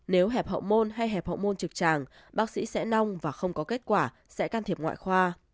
nếu hẹp hậu môn hay hẹp hậu môn trực tràng bác sĩ sẽ nong và không có kết quả sẽ can thiệp ngoại khoa